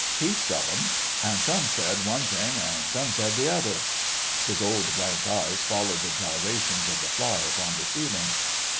"Heaps of 'em. An' some said one thing an' some said the other." His old blank eyes followed the gyrations of the fly upon the ceiling.